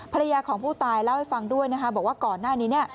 ภรรยาของผู้ตายเล่าให้ฟังด้วยนะคะบอกว่าก่อนหน้านี้